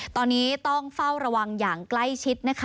ตอนนี้ต้องเฝ้าระวังอย่างใกล้ชิดนะคะ